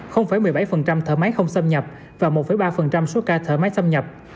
một mươi bảy thở máy không xâm nhập và một ba số ca thở máy xâm nhập